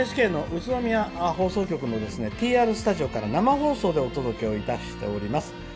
ＮＨＫ宇都宮放送局のＴＲスタジオから生放送でお届けをいたしております。